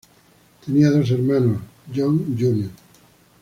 Tenía dos hermanos, John Jr.